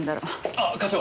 あっ課長！